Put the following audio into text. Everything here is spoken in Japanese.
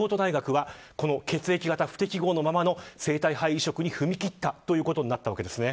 そこで京都大学は、この血液型不適合のままの生体肺移植に踏み切ったということになりました。